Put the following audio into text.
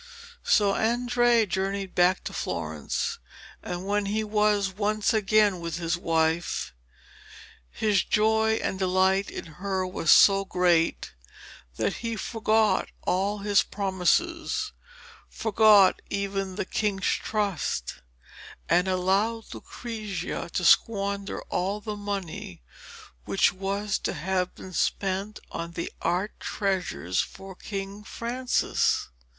So Andrea journeyed back to Florence, and when he was once again with his wife, his joy and delight in her were so great that he forgot all his promises, forgot even the king's trust, and allowed Lucrezia to squander all the money which was to have been spent on art treasures for King Francis.